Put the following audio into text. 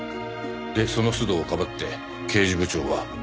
でその須藤をかばって刑事部長は黙秘してる。